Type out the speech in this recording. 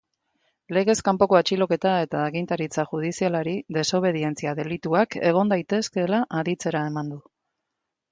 Legez kanpoko atxiloketa eta agintaritza judizialari desobedientzia delituak egon daitezkeela aditzera eman du.